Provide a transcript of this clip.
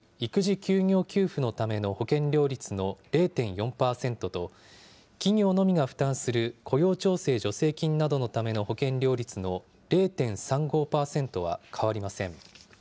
労使が折半する育児休業給付のための保険料率の０．４％と、企業のみが負担する雇用調整助成金などのための保険料率の０．３５％は変わりません。